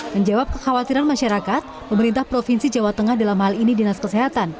menjawab kekhawatiran masyarakat pemerintah provinsi jawa tengah dalam hal ini dinas kesehatan